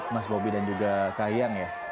mas bobi dan juga kahiyang ya